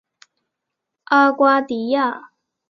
阿瓜迪亚。